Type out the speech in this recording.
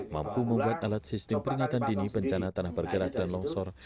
mampu membuat alat sistem peringatan dini bencana tanah bergerak dan longsor